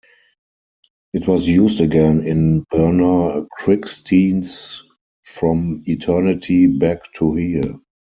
It was used again in Bernard Krigstein's From Eternity Back to Here!